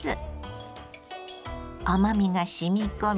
甘みがしみ込み